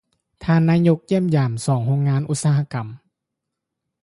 ທ່ານນາຍົກ ຢ້ຽມຢາມ ສອງໂຮງງານອຸດສາຫະກຳ